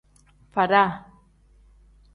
Faada.